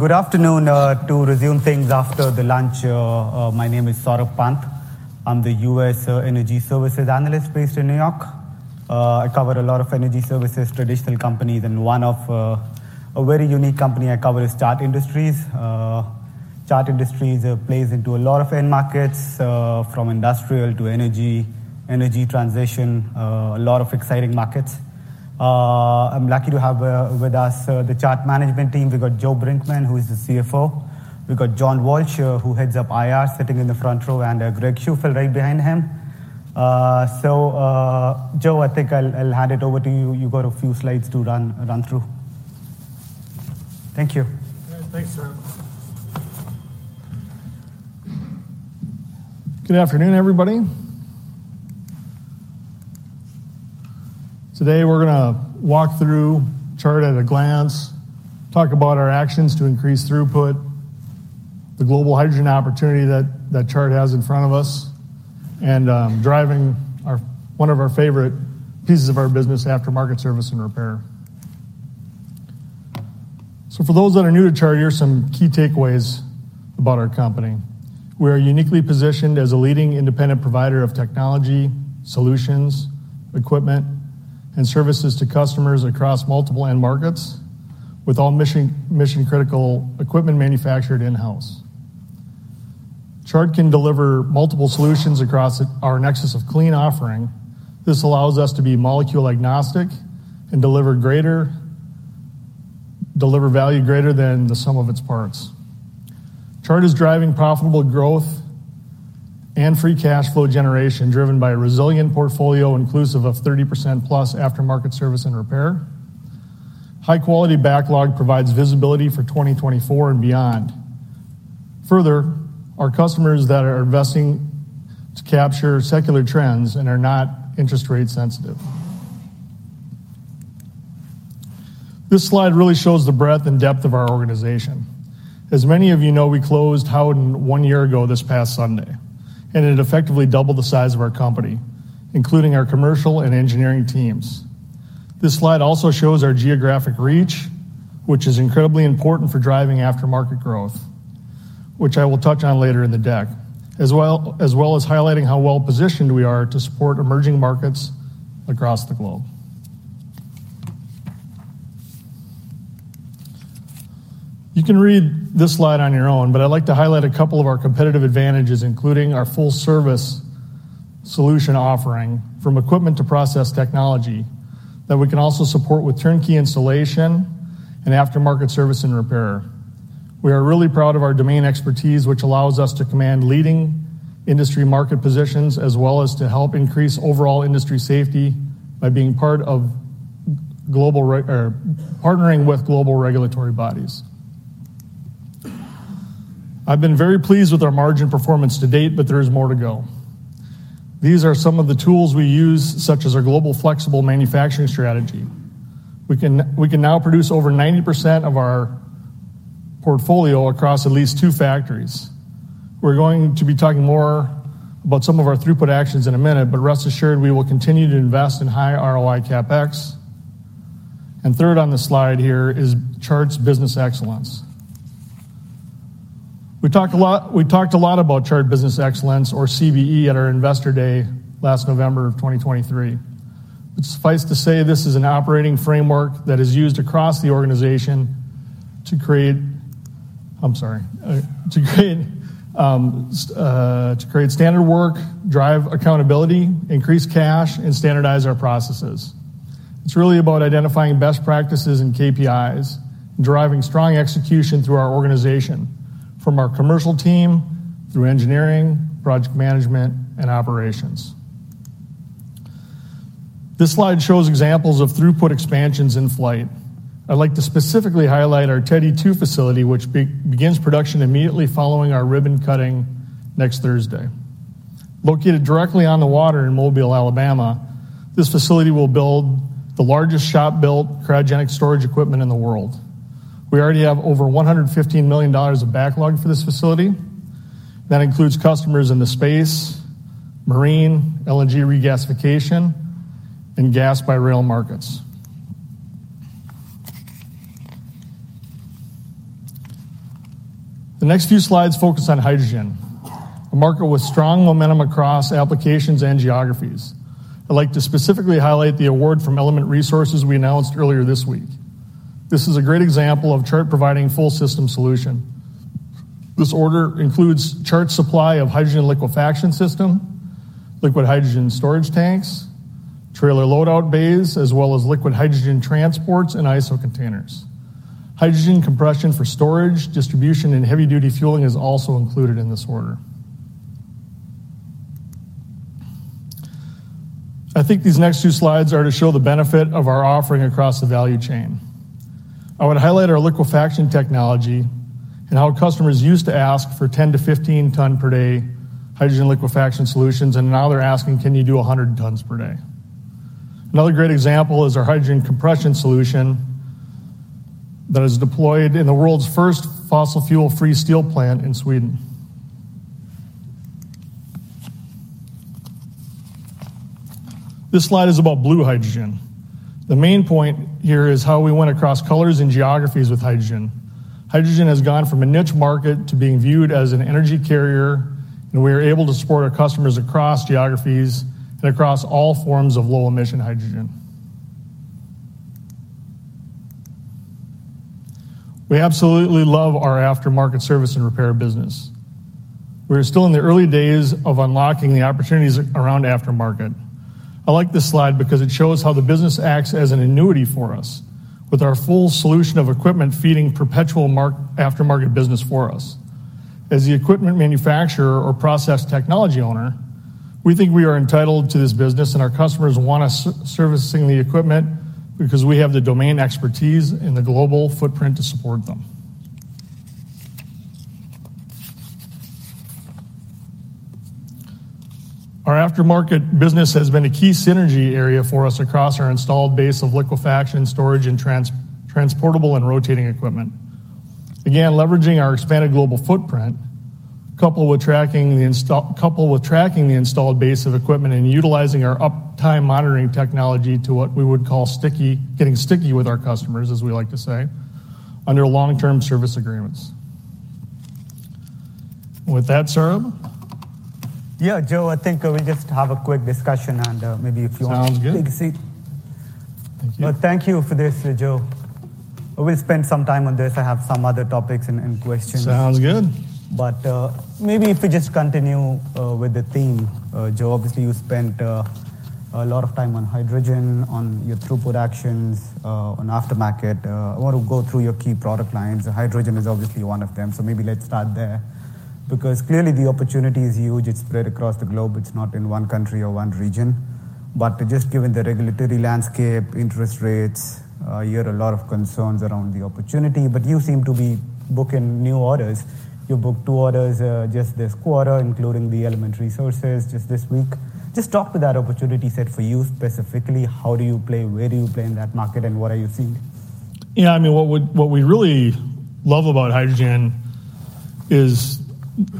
Good afternoon, to resume things after the lunch. My name is Saurabh Pant. I'm the U.S. energy services analyst based in New York. I cover a lot of energy services, traditional companies, and one of a very unique company I cover is Chart Industries. Chart Industries plays into a lot of end markets, from industrial to energy, energy transition, a lot of exciting markets. I'm lucky to have with us the Chart management team. We've got Joe Brinkman, who is the CFO. We've got John Walsh, who heads up IR, sitting in the front row, and Greg Shewfelt right behind him., Joe, I think I'll hand it over to you. You've got a few slides to run through. Thank you. Thanks, Saurabh. Good afternoon, everybody. Today, we're gonna walk through Chart at a glance, talk about our actions to increase throughput, the global hydrogen opportunity that Chart has in front of us, and driving our one of our favorite pieces of our business, aftermarket service and repair. For those that are new to Chart, here are some key takeaways about our company. We are uniquely positioned as a leading independent provider of technology, solutions, equipment, and services to customers across multiple end markets, with all mission-critical equipment manufactured in-house. Chart can deliver multiple solutions across our Nexus of Clean offering. This allows us to be molecule-agnostic and deliver value greater than the sum of its parts. Chart is driving profitable growth and free cash flow generation, driven by a resilient portfolio inclusive of 30%+ aftermarket service and repair. High-quality backlog provides visibility for 2024 and beyond. Further, our customers that are investing to capture secular trends and are not interest rate sensitive. This slide really shows the breadth and depth of our organization. As many of you know, we closed Howden one year ago, this past Sunday, and it effectively doubled the size of our company, including our commercial and engineering teams. This slide also shows our geographic reach, which is incredibly important for driving aftermarket growth, which I will touch on later in the deck, as well, as well as highlighting how well-positioned we are to support emerging markets across the globe. You can read this slide on your own, but I'd like to highlight a couple of our competitive advantages, including our full-service solution offering, from equipment to process technology, that we can also support with turnkey installation and aftermarket service and repair. We are really proud of our domain expertise, which allows us to command leading industry market positions, as well as to help increase overall industry safety by being part of global partnering with global regulatory bodies. I've been very pleased with our margin performance to date, but there is more to go. These are some of the tools we use, such as our global flexible manufacturing strategy. We can, we can now produce over 90% of our portfolio across at least two factories. We're going to be talking more about some of our throughput actions in a minute, but rest assured, we will continue to invest in high ROI CapEx. Third on the slide here is Chart Business Excellence. We talked a lot, we talked a lot about Chart Business Excellence, or CBE, at our Investor Day last November 2023. Suffice to say, this is an operating framework that is used across the organization to create standard work, drive accountability, increase cash, and standardize our processes. It's really about identifying best practices and KPIs, and driving strong execution through our organization, from our commercial team, through engineering, project management, and operations. This slide shows examples of throughput expansions in flight. I'd like to specifically highlight our Teddy 2 facility, which begins production immediately following our ribbon cutting next Thursday. Located directly on the water in Mobile, Alabama, this facility will build the largest shop-built cryogenic storage equipment in the world. We already have over $115 million of backlog for this facility. That includes customers in the space, marine, LNG regasification, and gas-by-rail markets. The next few slides focus on hydrogen, a market with strong momentum across applications and geographies. I'd like to specifically highlight the award from Element Resources we announced earlier this week. This is a great example of Chart providing full system solution. This order includes Chart's supply of hydrogen liquefaction system, liquid hydrogen storage tanks, trailer loadout bays, as well as liquid hydrogen transports and ISO containers. Hydrogen compression for storage, distribution, and heavy-duty fueling is also included in this order. I think these next two slides are to show the benefit of our offering across the value chain. I want to highlight our liquefaction technology and how customers used to ask for 10-15 ton per day hydrogen liquefaction solutions, and now they're asking: "Can you do 100 tons per day?" Another great example is our hydrogen compression solution that is deployed in the world's first fossil fuel-free steel plant in Sweden. This slide is about blue hydrogen. The main point here is how we went across colors and geographies with hydrogen. Hydrogen has gone from a niche market to being viewed as an energy carrier, and we are able to support our customers across geographies and across all forms of low-emission hydrogen. We absolutely love our aftermarket service and repair business. We are still in the early da ys of unlocking the opportunities around aftermarket. I like this slide because it shows how the business acts as an annuity for us, with our full solution of equipment feeding perpetual aftermarket business for us. As the equipment manufacturer or process technology owner, we think we are entitled to this business, and our customers want us servicing the equipment because we have the domain expertise and the global footprint to support them. Our aftermarket business has been a key synergy area for us across our installed base of liquefaction, storage, and transportable and rotating equipment. Again, leveraging our expanded global footprint, coupled with tracking the installed base of equipment and utilizing our uptime monitoring technology to what we would call sticky, getting sticky with our customers, as we like to say, under long-term service agreements. With that, Saurabh? Yeah, Joe, I think, we just have a quick discussion and, maybe if you want to- Sounds good. Take a seat. Thank you. Thank you for this, Joe. We'll spend some time on this. I have some other topics and questions. Sounds good. Maybe if we just continue with the theme, Joe. Obviously, you spent a lot of time on hydrogen, on your throughput actions, on aftermarket. I want to go through your key product lines. Hydrogen is obviously one of them, so maybe let's start there, because clearly the opportunity is huge. It's spread across the globe. It's not in one country or one region, but just given the regulatory landscape, interest rates, I hear a lot of concerns around the opportunity, but you seem to be booking new orders. You booked 2 orders just this quarter, including the Element Resources, just this week. Just talk to that opportunity set for you specifically. How do you play? Where do you play in that market, and what are you seeing? Yeah, I mean, what we really love about hydrogen is,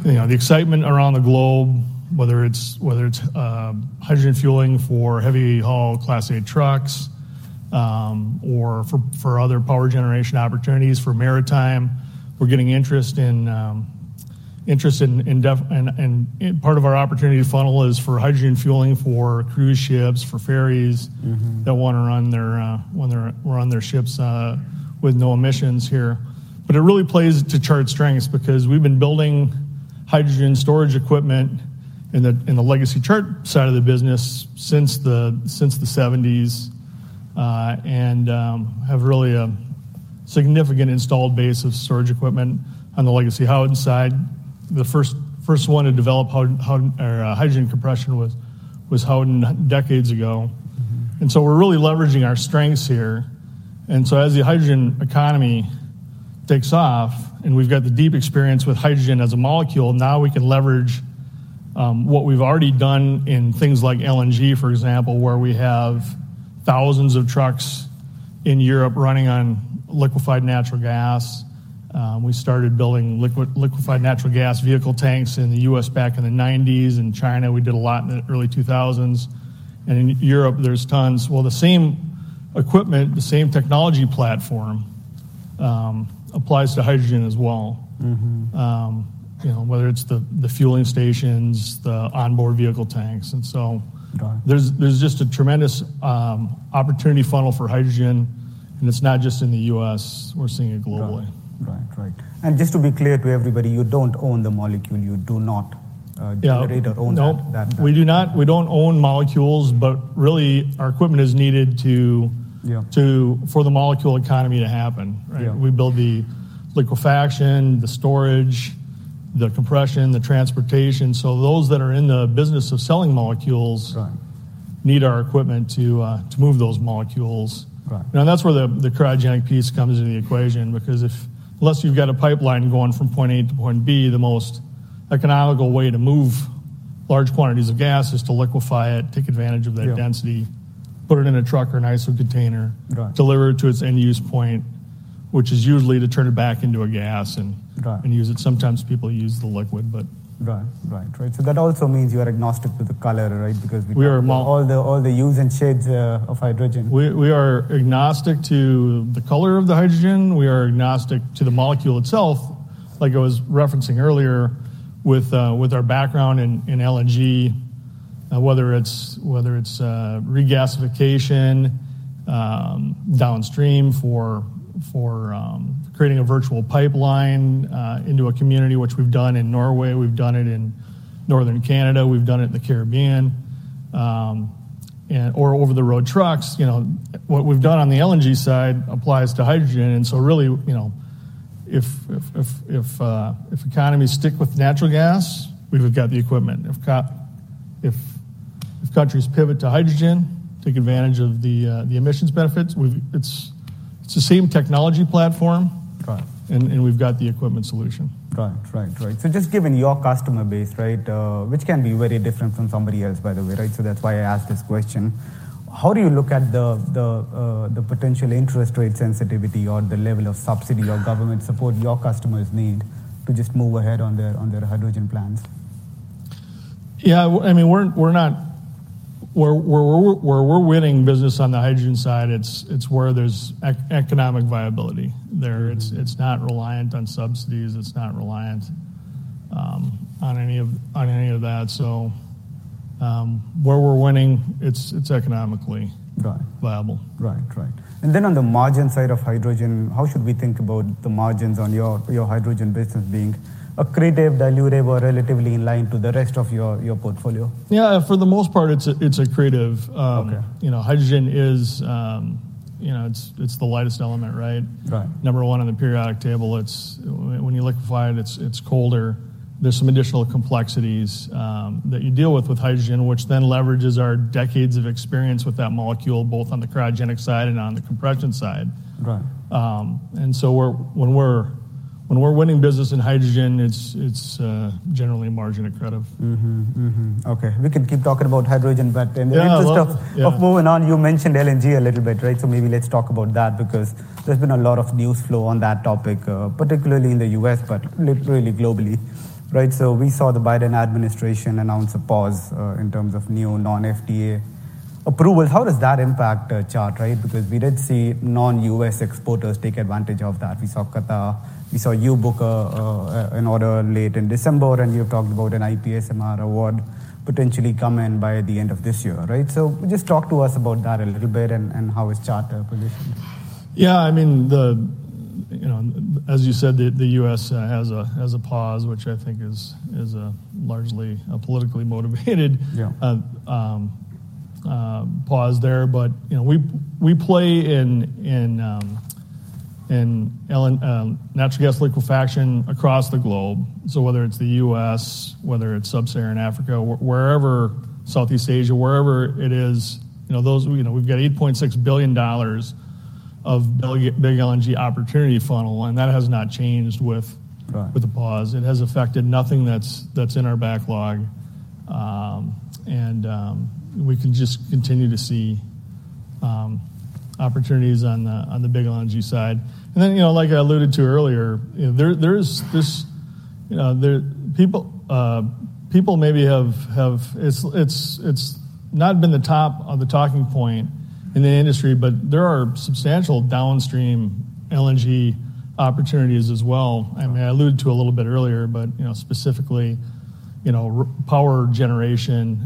you know, the excitement around the globe, whether it's hydrogen fueling for heavy-haul Class 8 trucks, or for other power generation opportunities, for maritime. We're getting interest in and part of our opportunity funnel is for hydrogen fueling, for cruise ships, for ferries. That want to run their ships with no emissions here. It really plays to Chart's strengths because we've been building hydrogen storage equipment in the legacy Chart side of the business since the 1970s, and have really a significant installed base of storage equipment on the legacy Howden side. The first one to develop Howden hydrogen compression was Howden decades ago. We're really leveraging our strengths here. As the hydrogen economy takes off, and we've got the deep experience with hydrogen as a molecule, now we can leverage what we've already done in things like LNG, for example, where we have thousands of trucks in Europe running on liquefied natural gas. We started building liquefied natural gas vehicle tanks in the U.S. back in the nineties. In China, we did a lot in the early 2000s, and in Europe, there's tons. Well, the same equipment, the same technology platform applies to hydrogen as well. You know, whether it's the fueling stations, the onboard vehicle tanks, and so- Got it. There's just a tremendous opportunity funnel for hydrogen, and it's not just in the U.S. We're seeing it globally. Right. Right. And just to be clear to everybody, you don't own the molecule. You do not, Yeah... generate or own that, We do not. We don't own molecules, but really, our equipment is needed to- Yeah... to, for the molecule economy to happen, right? Yeah. We build the liquefaction, the storage, the compression, the transportation. So those that are in the business of selling molecules- Right... need our equipment to, to move those molecules. Right. That's where the cryogenic piece comes into the equation because unless you've got a pipeline going from point A to point B, the most economical way to move large quantities of gas is to liquefy it, take advantage of that density- Yeah ... put it in a truck or an ISO container. Right. Deliver it to its end-use point, which is usually to turn it back into a gas and- Right... and use it. Sometimes people use the liquid, but- Right, right, right. So that also means you are agnostic to the color, right? Because- We are more- All the, all the hues and shades of hydrogen. We are agnostic to the color of the hydrogen. We are agnostic to the molecule itself. Like I was referencing earlier with our background in LNG, whether it's regasification, downstream for creating a virtual pipeline into a community, which we've done in Norway, we've done it in northern Canada, we've done it in the Caribbean, or over-the-road trucks. You know, what we've done on the LNG side applies to hydrogen, and so really, you know, if economies stick with natural gas, we've got the equipment. If countries pivot to hydrogen, take advantage of the emissions benefits, we've, it's the same technology platform. Right. We've got the equipment solution. Right, right, right. Just given your customer base, right, which can be very different from somebody else, by the way, right? That's why I asked this question. How do you look at the potential interest rate sensitivity or the level of subsidy or government support your customers need to just move ahead on their hydrogen plans? Yeah, I mean, we're winning business on the hydrogen side. It's where there's economic viability there. It's not reliant on subsidies. It's not reliant on any of that. So, where we're winning, it's economically- Right. -viable. Right, right. Then on the margin side of hydrogen, how should we think about the margins on your, your hydrogen business being accretive, dilutive, or relatively in line to the rest of your, your portfolio? Yeah, for the most part, it's accretive. Okay. You know, hydrogen is, you know, it's the lightest element, right? Right. Number one on the periodic table. It's colder when you liquefy it. There's some additional complexities that you deal with with hydrogen, which then leverages our decades of experience with that molecule, both on the cryogenic side and on the compression side. Right. When we're winning business in hydrogen, it's generally margin accretive. Okay, we can keep talking about hydrogen, but- Yeah. -in the interest of- Yeah. Of moving on, you mentioned LNG a little bit, right? Maybe let's talk about that, because there's been a lot of news flow on that topic, particularly in the U.S., but literally globally, right? We saw the Biden administration announce a pause in terms of new non-FTA approval. How does that impact Chart, right? Because we did see non-U.S. exporters take advantage of that. We saw Qatar, we saw you book an order late in December, and you talked about an IPSMR award potentially come in by the end of this year, right? Just talk to us about that a little bit and, and how is Chart positioned? Yeah, I mean, you know, as you said, the U.S. has a pause, which I think is largely a politically motivated- Yeah... pause there. But, you know, we play in LNG natural gas liquefaction across the globe. Whether it's the U.S., whether it's sub-Saharan Africa, wherever, Southeast Asia, wherever it is, you know, those, you know, we've got $8.6 billion of big, big LNG opportunity funnel, and that has not changed with- Right... with the pause. It has affected nothing that's in our backlog. We can just continue to see opportunities on the big LNG side. Then, you know, like I alluded to earlier, you know, there's this. People maybe have. It's not been the top of the talking point in the industry, but there are substantial downstream LNG opportunities as well. Right. I mean, I alluded to a little bit earlier, but, you know, specifically, you know, power generation,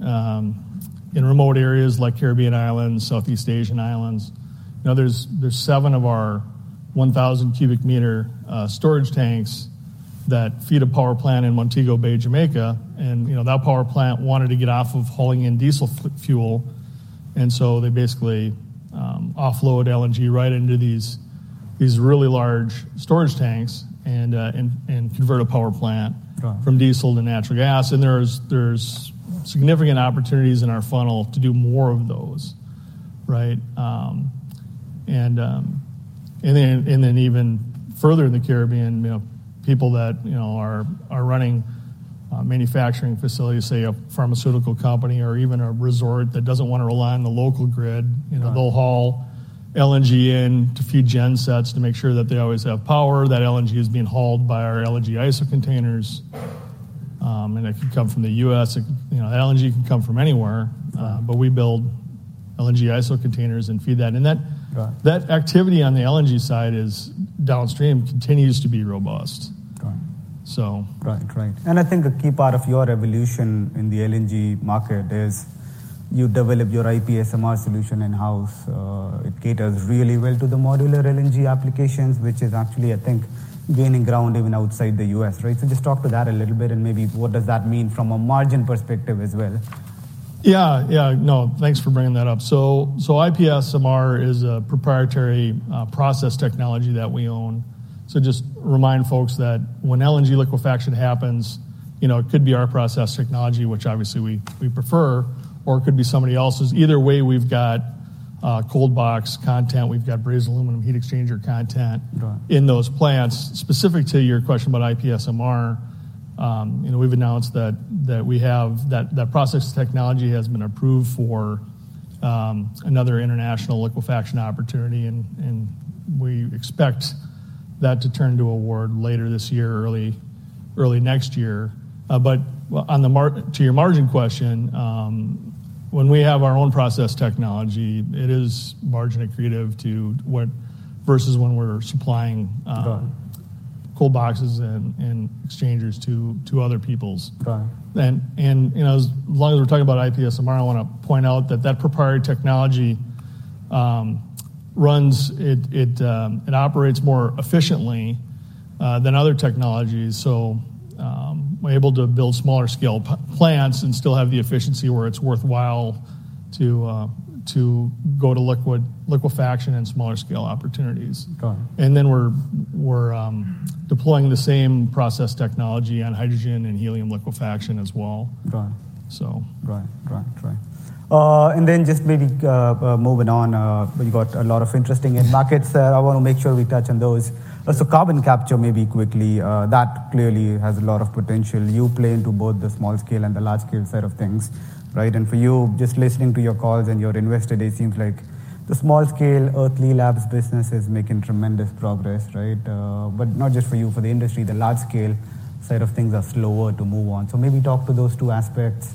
in remote areas like Caribbean islands, Southeast Asian islands. You know, there's seven of our 1,000-cubic-meter storage tanks that feed a power plant in Montego Bay, Jamaica. You know, that power plant wanted to get off of hauling in diesel fuel, and so they basically, offload LNG right into these really large storage tanks and, and convert a power plant- Right... from diesel to natural gas. There's significant opportunities in our funnel to do more of those, right? Then even further in the Caribbean, you know, people that, you know, are running manufacturing facilities, say, a pharmaceutical company or even a resort that doesn't want to rely on the local grid, you know- Right... they'll haul LNG in to feed gen sets to make sure that they always have power. That LNG is being hauled by our LNG ISO containers, and it can come from the U.S. You know, LNG can come from anywhere, but we build LNG ISO containers and feed that. And that- Right. That activity on the LNG side is, downstream continues to be robust. Got it. Right. Right. I think a key part of your evolution in the LNG market is you develop your IPSMR solution in-house. It caters really well to the modular LNG applications, which is actually, I think, gaining ground even outside the U.S., right? Just talk to that a little bit, and maybe what does that mean from a margin perspective as well? Yeah, yeah. No, thanks for bringing that up. IPSMR is a proprietary process technology that we own. Just remind folks that when LNG liquefaction happens, you know, it could be our process technology, which obviously we prefer, or it could be somebody else's. Either way, we've got cold box content, we've got brazed aluminum heat exchanger content- Got it... in those plants. Specific to your question about IPSMR, you know, we've announced that that process technology has been approved for another international liquefaction opportunity, and we expect that to turn to award later this year or early next year. But on the margin question, when we have our own process technology, it is margin accretive to what versus when we're supplying. Got it... cold boxes and exchangers to other people. Got it. You know, as long as we're talking about IPSMR, I wanna point out that that proprietary technology runs. It operates more efficiently than other technologies. We're able to build smaller-scale plants and still have the efficiency where it's worthwhile to go to liquefaction and smaller scale opportunities. Got it. Then we're deploying the same process technology on hydrogen and helium liquefaction as well. Right. So. Right. Right, right. Then just maybe moving on, you've got a lot of interesting end markets that I wanna make sure we touch on those. Carbon capture, maybe quickly, that clearly has a lot of potential. You play into both the small scale and the large scale side of things, right? For you, just listening to your calls and your investor day, it seems like the small-scale Earthly Labs business is making tremendous progress, right? Not just for you, for the industry, the large-scale side of things are slower to move on. Maybe talk to those two aspects.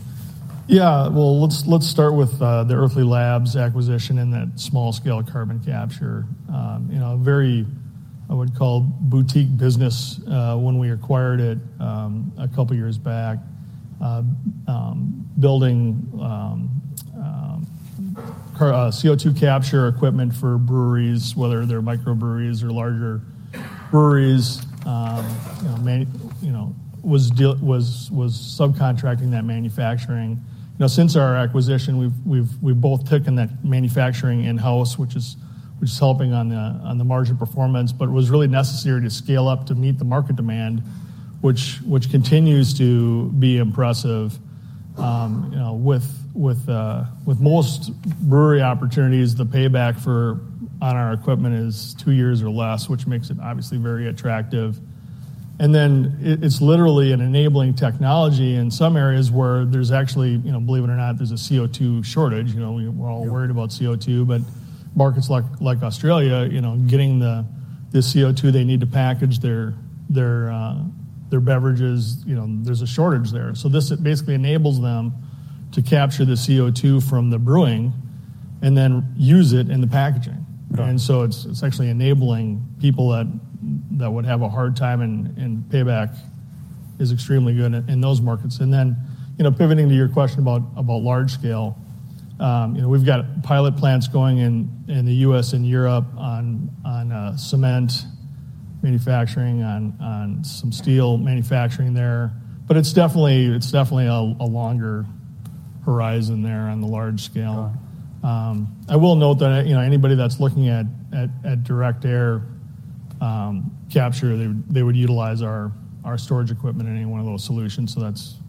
Yeah, well, let's start with the Earthly Labs acquisition and that small-scale carbon capture. You know, a very, I would call, boutique business when we acquired it a couple of years back. Building CO2 capture equipment for breweries, whether they're microbreweries or larger breweries. You know, was subcontracting that manufacturing. Now, since our acquisition, we've both taken that manufacturing in-house, which is helping on the margin performance, but was really necessary to scale up to meet the market demand, which continues to be impressive. You know, with most brewery opportunities, the payback on our equipment is two years or less, which makes it obviously very attractive. Then it's literally an enabling technology in some areas where there's actually, you know, believe it or not, there's a CO2 shortage. You know, we- Yeah... we're all worried about CO2, but markets like Australia, you know, getting the CO2 they need to package their beverages, you know, there's a shortage there. This basically enables them to capture the CO2 from the brewing and then use it in the packaging. Right. It's actually enabling people that would have a hard time, and payback is extremely good in those markets. You know, pivoting to your question about large scale, you know, we've got pilot plants going in the U.S. and Europe, on cement manufacturing, on some steel manufacturing there, but it's definitely a longer horizon there on the large scale. Right. I will note that, you know, anybody that's looking at direct air capture, they would utilize our storage equipment in any one of those solutions, so it's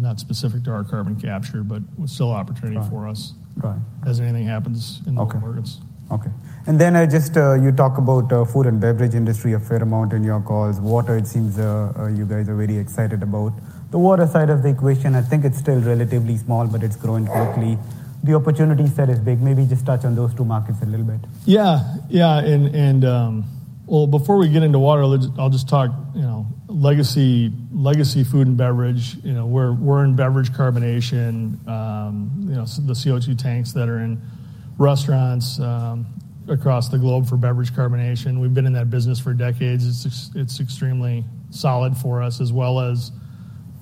not specific to our carbon capture, but still an opportunity- Right... for us. Right. As anything happens in those markets. Okay. Okay. Then I just, you talk about, food and beverage industry a fair amount in your calls. Water, it seems, you guys are very excited about. The water side of the equation, I think it's still relatively small, but it's growing quickly. The opportunity set is big. Maybe just touch on those two markets a little bit. Yeah, yeah. Well, before we get into water, let's. I'll just talk, you know, legacy food and beverage. You know, we're in beverage carbonation, you know, the CO2 tanks that are in restaurants across the globe for beverage carbonation. We've been in that business for decades. It's extremely solid for us, as well as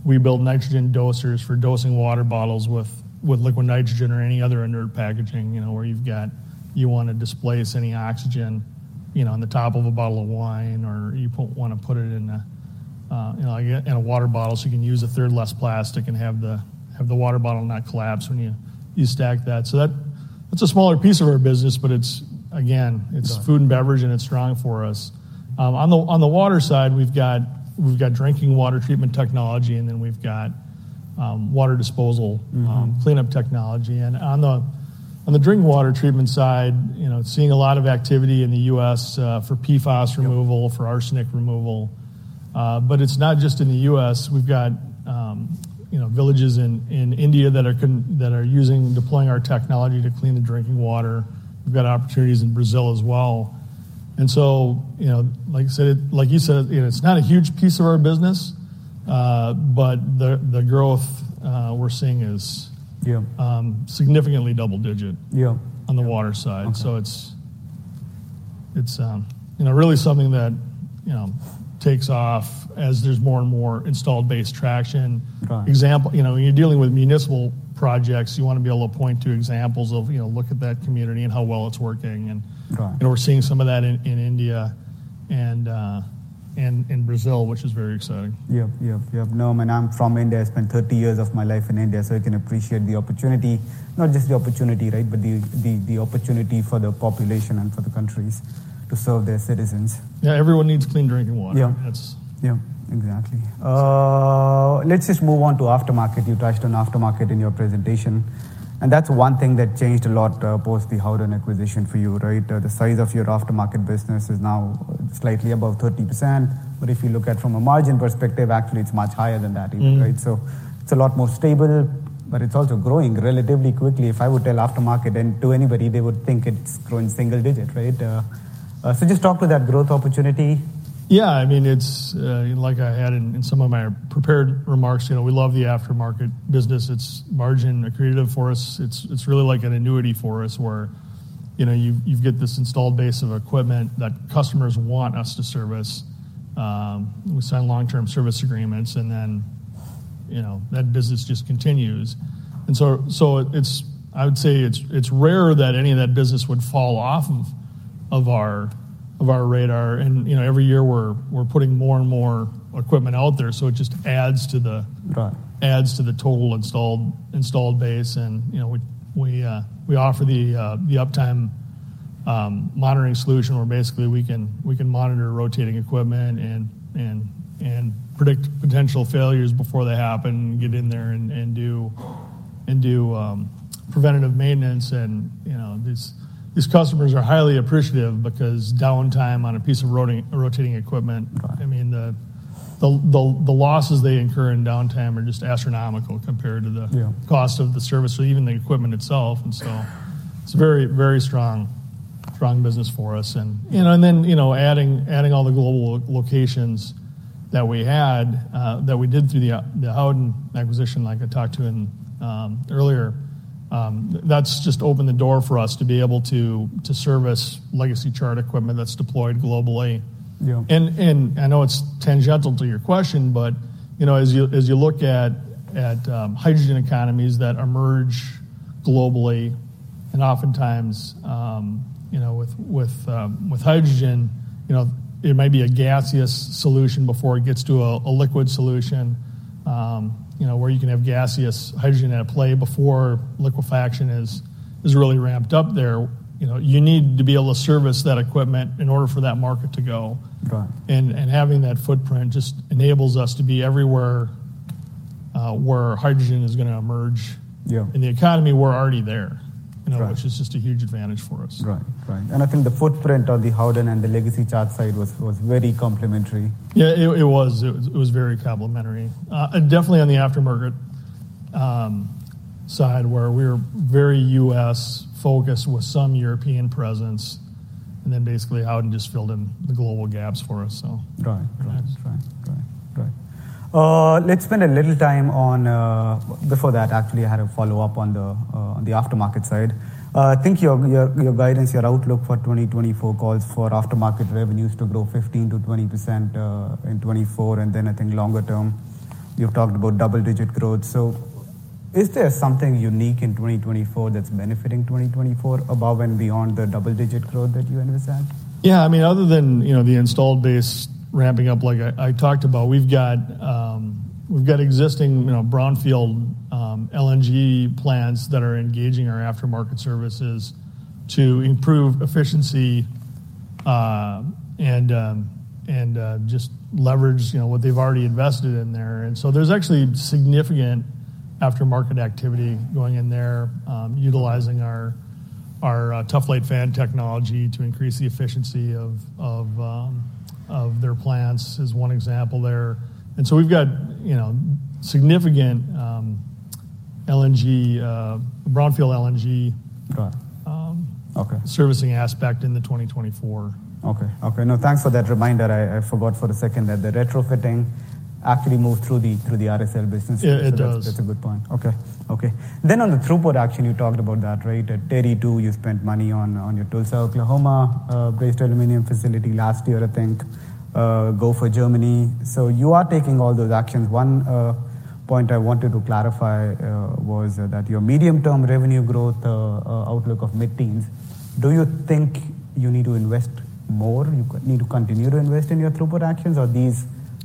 we build nitrogen dosers for dosing water bottles with liquid nitrogen or any other inert packaging, you know, where you've got. You want to displace any oxygen, you know, on the top of a bottle of wine, or you want to put it in a, you know, in a water bottle, you can use a third less plastic and have the water bottle not collapse when you stack that. That, that's a smaller piece of our business, but it's, again- Right... it's food and beverage, and it's strong for us. On the water side, we've got drinking water treatment technology, and then we've got water disposal-cleanup technology. On the drinking water treatment side, you know, seeing a lot of activity in the U.S. for PFAS removal- Yep... for arsenic removal. But it's not just in the U.S. We've got, you know, villages in India that are using, deploying our technology to clean the drinking water. We've got opportunities in Brazil as well. You know, like I said, like you said, you know, it's not a huge piece of our business, but the growth we're seeing is- Yeah... significantly double-digit Yeah... on the water side. Okay. So it's, you know, really something that, you know, takes off as there's more and more installed base traction. Right. Example, you know, when you're dealing with municipal projects, you want to be able to point to examples of, you know, look at that community and how well it's working, and. Right... and we're seeing some of that in India and in Brazil, which is very exciting. Yeah. Yeah, yeah. No, and I'm from India. I spent 30 years of my life in India, so I can appreciate the opportunity. Not just the opportunity, right, but the opportunity for the population and for the countries to serve their citizens. Yeah, everyone needs clean drinking water. Yeah. That's- Yeah, exactly. Let's just move on to aftermarket. You touched on aftermarket in your presentation, and that's one thing that changed a lot, post the Howden acquisition for you, right? The size of your aftermarket business is now slightly above 30%, but if you look at from a margin perspective, actually, it's much higher than that even, right? Mm. So it's a lot more stable, but it's also growing relatively quickly. If I would tell aftermarket then to anybody, they would think it's growing single digit, right? So just talk to that growth opportunity. Yeah, I mean, it's like I had in some of my prepared remarks, you know, we love the aftermarket business. It's margin creative for us. It's really like an annuity for us, where, you know, you've got this installed base of equipment that customers want us to service. We sign long-term service agreements, and then, you know, that business just continues. And so it's—I would say it's rare that any of that business would fall off of our radar. And, you know, every year, we're putting more and more equipment out there, so it just adds to the- Right... adds to the total installed base, and, you know, we offer the uptime monitoring solution, where basically we can monitor rotating equipment and predict potential failures before they happen, and get in there and do preventative maintenance. And, you know, these customers are highly appreciative because downtime on a piece of rotating equipment- Right. I mean, the losses they incur in downtime are just astronomical compared to the- Yeah -cost of the service or even the equipment itself. It's a very, very strong, strong business for us. And, you know, and then, you know, adding, adding all the global locations that we had, that we did through the, the Howden acquisition, like I talked to in, earlier, that's just opened the door for us to be able to, to service legacy Chart equipment that's deployed globally. Yeah. I know it's tangential to your question, but you know, as you look at hydrogen economies that emerge globally, and oftentimes you know, with hydrogen, you know, it might be a gaseous solution before it gets to a liquid solution. You know, where you can have gaseous hydrogen at play before liquefaction is really ramped up there. You know, you need to be able to service that equipment in order for that market to go. Right. Having that footprint just enables us to be everywhere, where hydrogen is gonna emerge. Yeah. In the economy, we're already there- Right ... you know, which is just a huge advantage for us. Right. Right. I think the footprint of the Howden and the legacy Chart side was very complementary. Yeah, it was. It was, it was very complementary. Definitely on the aftermarket side, where we're very U.S.-focused with some European presence, and then basically Howden just filled in the global gaps for us, so- Right. Right. Right. Right. Right. Let's spend a little time on... Before that, actually, I had a follow-up on the aftermarket side. I think your guidance, your outlook for 2024 calls for aftermarket revenues to grow 15%-20% in 2024, and then I think longer term, you've talked about double-digit growth. So is there something unique in 2024 that's benefiting 2024 above and beyond the double-digit growth that you anticipate? Yeah. I mean, other than, you know, the installed base ramping up like I talked about, we've got existing, you know, brownfield LNG plants that are engaging our aftermarket services to improve efficiency, and just leverage, you know, what they've already invested in there. There's actually significant aftermarket activity going in there, utilizing our Tuf-Lite fan technology to increase the efficiency of their plants, is one example there. And so we've got, you know, significant LNG brownfield LNG- Right. Okay.... servicing aspect in the 2024. Okay. Okay, now, thanks for that reminder. I, I forgot for a second that the retrofitting actually moved through the, through the RSL business. Yeah, it does. That's a good point. Okay, okay. Then on the throughput action, you talked about that, right? At Teddy two, you spent money on your Tulsa, Oklahoma-based brazed aluminum heat exchanger facility last year, I think, Goch, Germany. You are taking all those actions. One point I wanted to clarify was that your medium-term revenue growth outlook of mid-teens, do you think you need to invest more? You need to continue to invest in your throughput actions, or these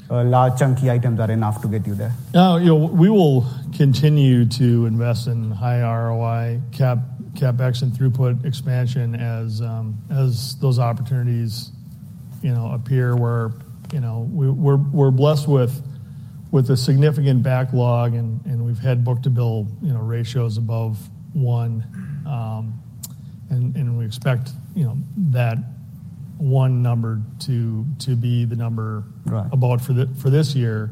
large, chunky items are enough to get you there? You know, we will continue to invest in high ROI CapEx and throughput expansion as those opportunities, you know, appear where... You know, we're blessed with a significant backlog and we've had book-to-bill, you know, ratios above one, and we expect, you know, that one number to be the number- Right about for this year.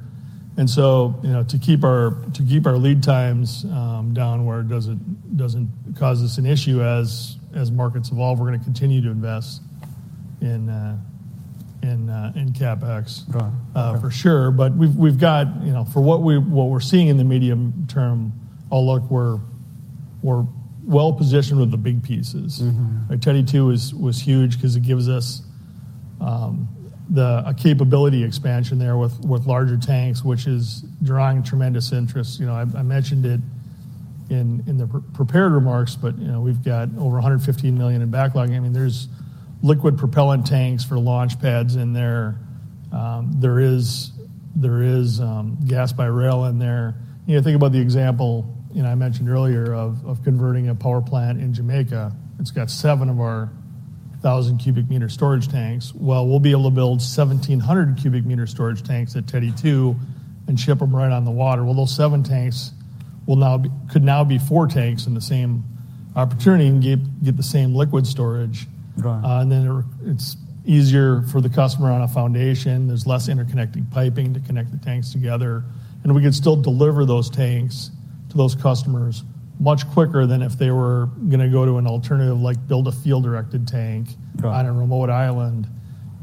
You know, to keep our lead times down where it doesn't cause us an issue as markets evolve, we're gonna continue to invest in CapEx. Right For sure. But we've got, you know, for what we're seeing in the medium-term outlook, we're well positioned with the big pieces. Like Teddy 2 is—was huge 'cause it gives us a capability expansion there with larger tanks, which is drawing tremendous interest. You know, I mentioned it in the prepared remarks, but, you know, we've got over $115 million in backlog. I mean, there's liquid propellant tanks for launch pads in there. There is gas by rail in there. You know, think about the example, you know, I mentioned earlier of converting a power plant in Jamaica. It's got seven of our 1,000 cubic meter storage tanks. Well, we'll be able to build 1,700 cubic meter storage tanks at Teddy II and ship them right on the water. Well, those seven tanks will now be—could now be four tanks in the same opportunity and get the same liquid storage. Right. And then it's easier for the customer on a foundation. There's less interconnecting piping to connect the tanks together, and we could still deliver those tanks to those customers much quicker than if they were gonna go to an alternative, like build a field-erected tank. Right... on a remote island.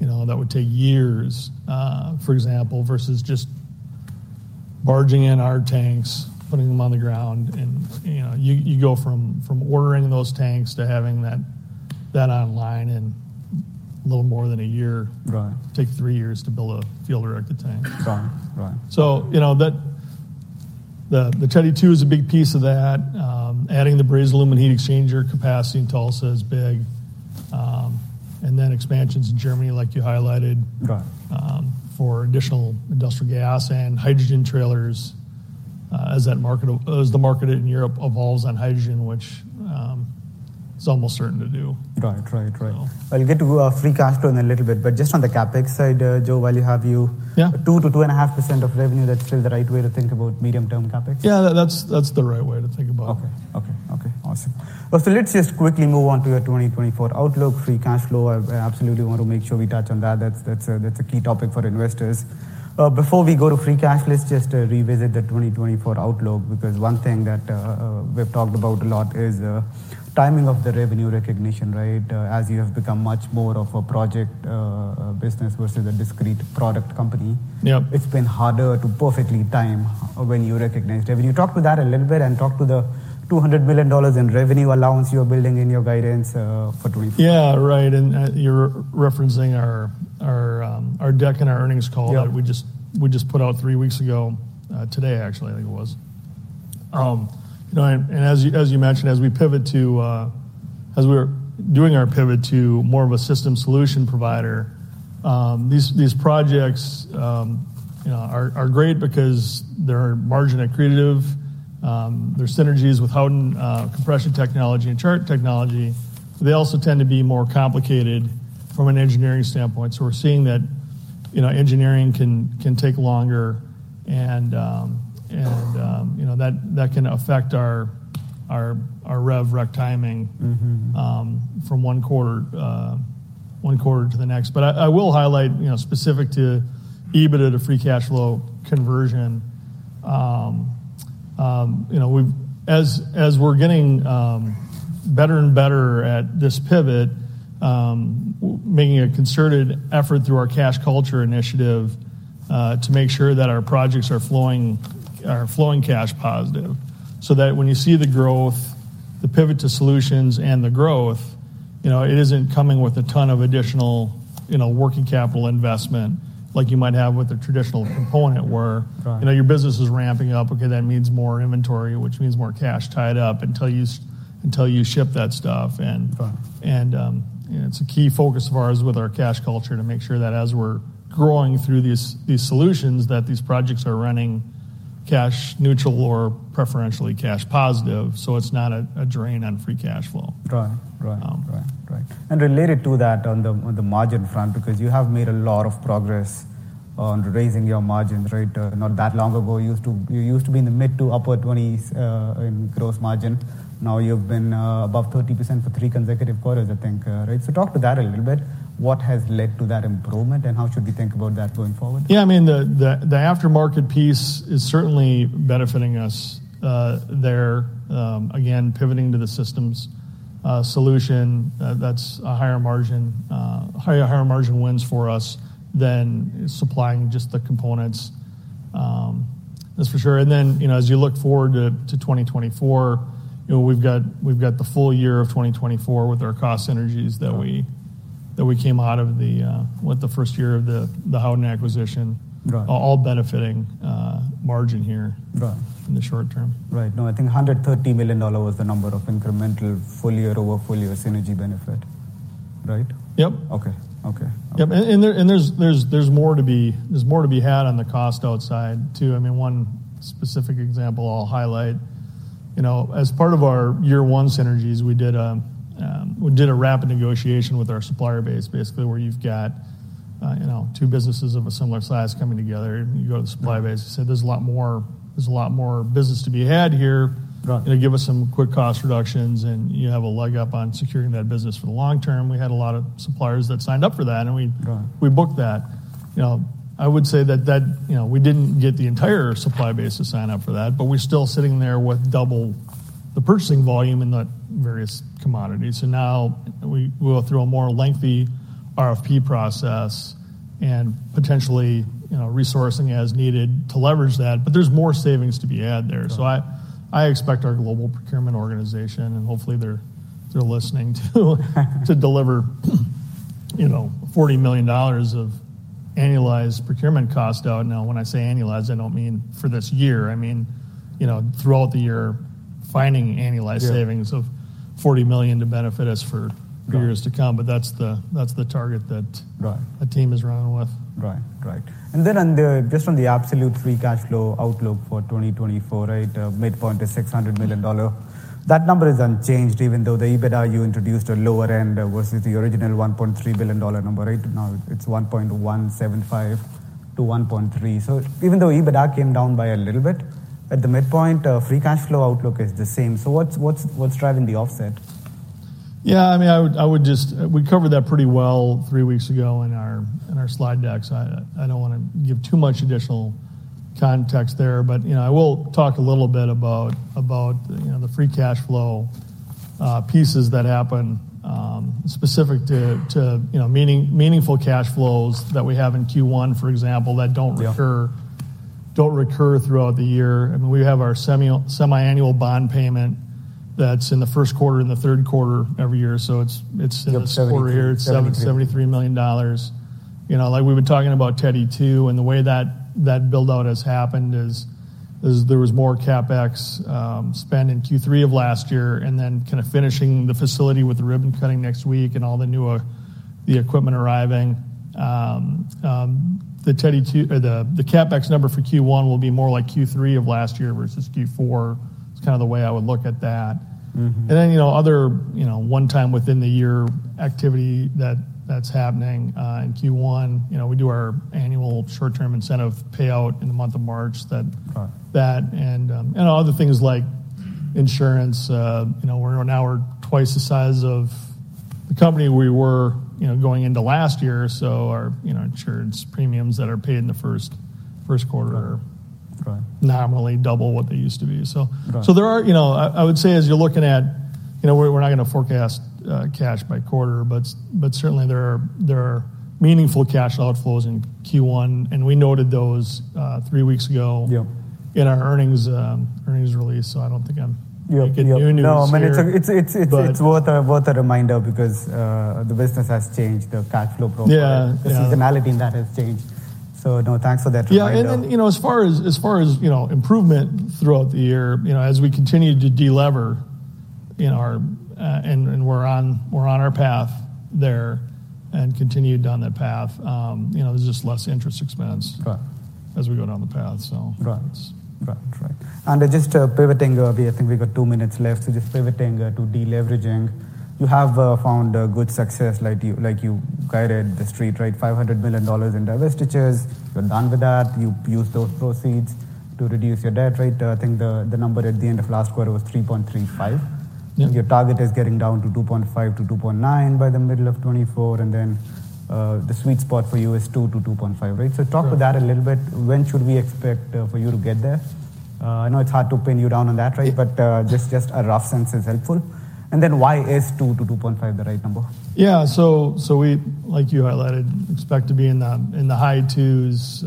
You know, that would take years, for example, versus just barging in our tanks, putting them on the ground, and, you know, you go from ordering those tanks to having that online in a little more than a year. Right. Take three years to build a field-erected tank. Got it. Right. You know, that Teddy 2 is a big piece of that. Adding the brazed aluminum heat exchanger capacity in Tulsa is big, and then expansions in Germany, like you highlighted. Right. for additional industrial gas and hydrogen trailers, as the market in Europe evolves on hydrogen, which is almost certain to do. Right. Right, right. So- Well, you get to free cash flow in a little bit, but just on the CapEx side, Joe, while I have you- Yeah. 2%-2.5% of revenue, that's still the right way to think about medium-term CapEx? Yeah, that's, that's the right way to think about it. Okay. Okay, okay, awesome. Well, so let's just quickly move on to the 2024 outlook, free cash flow. I, I absolutely want to make sure we touch on that. That's, that's a, that's a key topic for investors. Before we go to free cash, let's just revisit the 2024 outlook, because one thing that we've talked about a lot is the timing of the revenue recognition, right? As you have become much more of a project business versus a discrete product company- Yep... it's been harder to perfectly time when you recognize revenue. You talked to that a little bit, and talked to the $200 million in revenue allowance you're building in your guidance for 2024. Yeah, right, and you're referencing our deck in our earnings call. Yep... that we just put out three weeks ago, today, actually, I think it was. You know, and as you mentioned, as we're doing our pivot to more of a system solution provider, these projects, you know, are great because they're margin accretive. There's synergies with Howden compression technology and Chart technology. They also tend to be more complicated from an engineering standpoint. We're seeing that, you know, engineering can take longer, and, you know, that can affect our rev rec timing- Mm-hmm... from one quarter to the next. But I will highlight, you know, specific to EBITDA to free cash flow conversion. You know, we've, as we're getting better and better at this pivot, making a concerted effort through our cash culture initiative to make sure that our projects are flowing cash positive. That when you see the growth, the pivot to solutions and the growth, you know, it isn't coming with a ton of additional, you know, working capital investment, like you might have with a traditional component where- Right. You know, your business is ramping up. Okay, that means more inventory, which means more cash tied up until you ship that stuff, and- Right... and, you know, it's a key focus of ours with our cash culture to make sure that as we're growing through these solutions, that these projects are running cash neutral or preferentially cash positive, so it's not a drain on free cash flow. Right. Right. Um. Right. Right. Related to that, on the margin front, because you have made a lot of progress on raising your margin rate. Not that long ago, you used to be in the mid- to upper-20s in gross margin. Now you've been above 30% for 3 consecutive quarters, I think. So talk to that a little bit. What has led to that improvement, and how should we think about that going forward? Yeah, I mean, the aftermarket piece is certainly benefiting us there. Again, pivoting to the systems solution, that's a higher margin, higher margin wins for us than supplying just the components, that's for sure. Then, you know, as you look forward to 2024, you know, we've got the full year of 2024 with our cost synergies that we- Right... that we came out of the with the first year of the Howden acquisition- Right... all benefiting, margin here- Right in the short term. Right. No, I think $130 million was the number of incremental full-year over full-year synergy benefit, right? Yep. Okay. Okay. Yep, and there's more to be had on the cost outside, too. I mean, one specific example I'll highlight, you know, as part of our year one synergies, we did a rapid negotiation with our supplier base, basically, where you've got, you know, two businesses of a similar size coming together, and you go to the supplier base and say, "There's a lot more, there's a lot more business to be had here. Right. You know, give us some quick cost reductions, and you have a leg up on securing that business for the long term." We had a lot of suppliers that signed up for that, and we- Right... we booked that. You know, I would say that, you know, we didn't get the entire supply base to sign up for that, but we're still sitting there with double the purchasing volume in the various commodities. Now we went through a more lengthy RFP process and potentially, you know, resourcing as needed to leverage that. But there's more savings to be had there. Right. I expect our global procurement organization, and hopefully they're listening too, to deliver, you know, $40 million of annualized procurement costs down. Now, when I say annualized, I don't mean for this year. I mean, you know, throughout the year, finding annualized savings- Yeah... of $40 million to benefit us for- Right... years to come, but that's the, that's the target that- Right... the team is running with. Right. Right. Then on the, just on the absolute free cash flow outlook for 2024, right, midpoint is $600 million. That number is unchanged, even though the EBITDA you introduced a lower end versus the original $1.3 billion number, right? Now it's $1.175 billion-$1.3 billion. Even though EBITDA came down by a little bit, at the midpoint, free cash flow outlook is the same. So what's driving the offset? Yeah, I mean, I would just... We covered that pretty well three weeks ago in our slide deck, so I don't wanna give too much additional context there. You know, I will talk a little bit about you know, the free cash flow pieces that happen specific to you know, meaningful cash flows that we have in Q1, for example, that don't recur- Yeah... don't recur throughout the year. I mean, we have our semiannual bond payment that's in the first quarter and the third quarter every year. It's in the quarter here. Seventy... it's $77 million. You know, like we've been talking about Teddy 2, and the way that build-out has happened is there was more CapEx spent in Q3 of last year, and then kind of finishing the facility with the ribbon cutting next week and all the new equipment arriving. The Teddy 2 or the CapEx number for Q1 will be more like Q3 of last year versus Q4. It's kind of the way I would look at that. Then, you know, other, you know, one time within the year activity that, that's happening, in Q1. You know, we do our annual short-term incentive payout in the month of March, that- Right... that, and, and other things like insurance. You know, we're now twice the size of the company we were, you know, going into last year, so our, you know, insurance premiums that are paid in the first quarter- Right... nominally double what they used to be. Right. There are, you know, I, I would say as you're looking at, you know, we're, we're not gonna forecast cash by quarter, but, but certainly there are, there are meaningful cash outflows in Q1, and we noted those three weeks ago- Yeah... in our earnings release, so I don't think I'm- Yeah ... making any news here. No, I mean, It's worth a reminder because the business has changed, the cash flow profile. Yeah, yeah. The seasonality in that has changed. No, thanks for that reminder. Yeah, and then, you know, as far as improvement throughout the year, you know, as we continue to de-lever in our. We're on our path there and continued down that path. You know, there's just less interest expense- Right... as we go down the path, so. Right. Right. Right. Just, pivoting a bit, I think we've got two minutes left, so just pivoting, to de-leveraging. You have, found, good success, like you, like you guided the street, right? $500 million in divestitures. You're done with that. You've used those proceeds to reduce your debt, right? I think the, the number at the end of last quarter was 3.35. Yeah. Your target is getting down to 2.5-2.9 by the middle of 2024, and then the sweet spot for you is 2-2.5, right? Right. Talk about that a little bit. When should we expect for you to get there? I know it's hard to pin you down on that, right? Right. Just a rough sense is helpful. Then why is 2-2.5 the right number? Yeah, so we, like you highlighted, expect to be in the high 2s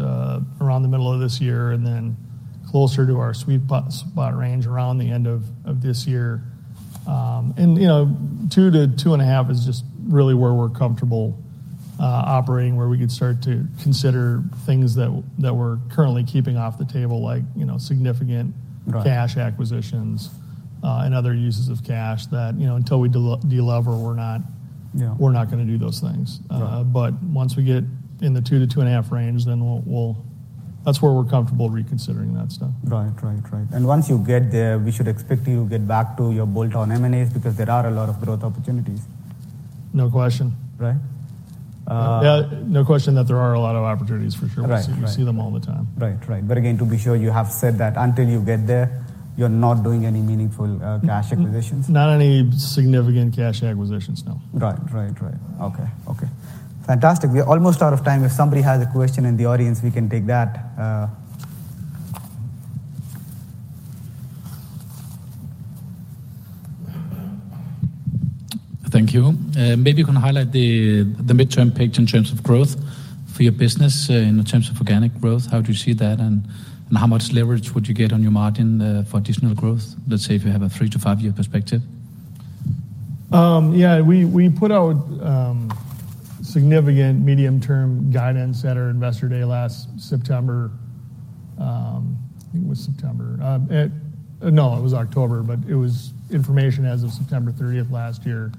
around the middle of this year and then closer to our sweet spot range around the end of this year. You know, 2-2.5 is just really where we're comfortable operating, where we could start to consider things that we're currently keeping off the table, like, you know, significant- Right cash acquisitions, and other uses of cash that, you know, until we de-lever, we're not- Yeah we're not gonna do those things. Right. Once we get in the 2-2.5 range, then we'll... That's where we're comfortable reconsidering that stuff. Right. Right, right. And once you get there, we should expect you to get back to your bolt-on M&As, because there are a lot of growth opportunities. No question. Right. Uh- Yeah, no question that there are a lot of opportunities, for sure. Right, right. You see them all the time. Right, right. Again, to be sure, you have said that until you get there, you're not doing any meaningful cash acquisitions? Not any significant cash acquisitions, no. Right. Right, right. Okay. Okay. Fantastic. We are almost out of time. If somebody has a question in the audience, we can take that. Thank you. Maybe you can highlight the midterm page in terms of growth for your business. In terms of organic growth, how do you see that, and how much leverage would you get on your margin for additional growth, let's say if you have a 3-5 year perspective? Yeah, we put out significant medium-term guidance at our Investor Day last September. I think it was September. No, it was October, but it was information as of September 30 last year.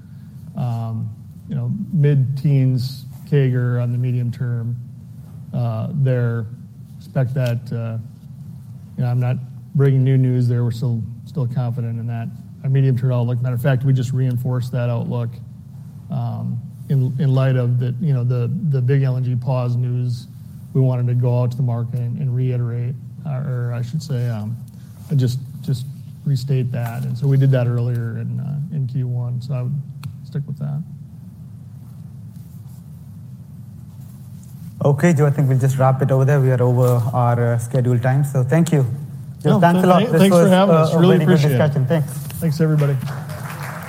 You know, mid-teens CAGR on the medium term there. Expect that. You know, I'm not bringing new news there. We're still confident in that, our medium-term outlook. Matter of fact, we just reinforced that outlook in light of the big LNG pause news. We wanted to go out to the market and reiterate or I should say just restate that, and so we did that earlier in Q1. So I would stick with that. Okay, Joe, I think we'll just wrap it over there. We are over our scheduled time, so thank you. Yeah. Thanks a lot. Thanks for having us. Uh- Really appreciate it.... this discussion. Thanks. Thanks, everybody.